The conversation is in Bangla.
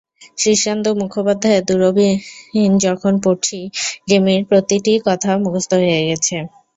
শীর্ষেন্দু মুখোপাধ্যায়ের দূরবীন যখন পড়ছি, রেমির প্রতিটি কথা মুখস্থ হয়ে গেছে।